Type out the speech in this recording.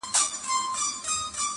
داسي به ډیرو وي پخوا لیدلی.!